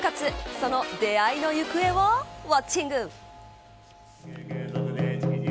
その出会いの行方をウオッチング。